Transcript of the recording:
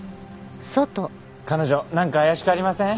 彼女なんか怪しくありません？